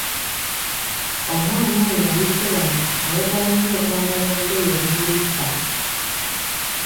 Omwana oyo ayise wano ayagala nnyo okwambala obugoye obumulippa.